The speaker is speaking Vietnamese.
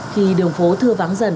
khi đường phố thưa vắng rộng